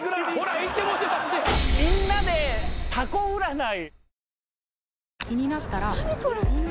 みんなでタコ占い。